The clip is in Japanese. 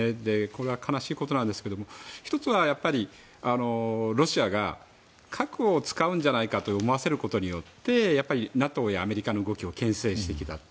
これは悲しいことですが１つはやっぱり、ロシアが核を使うんじゃないかと思わせることでＮＡＴＯやアメリカの動きを牽制してきた。